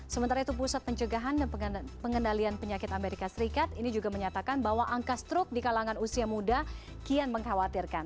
sementara itu pusat pencegahan dan pengendalian penyakit amerika serikat ini juga menyatakan bahwa angka struk di kalangan usia muda kian mengkhawatirkan